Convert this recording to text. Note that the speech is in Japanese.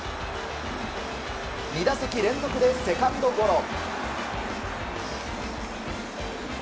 ２打席連続でセカンドゴロ。